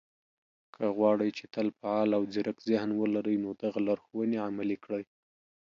که غواړئ، چې تل فعال او ځيرک ذهن ولرئ، نو دغه لارښوونې عملي کړئ